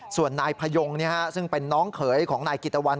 ส่วนนายพยงซึ่งเป็นน้องเขยของนายกิตตะวัน